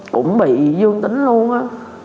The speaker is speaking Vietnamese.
cũng bị dưng tính luôn á